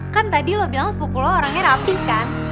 kan tadi lo bilang sepupu lo orangnya rapih kan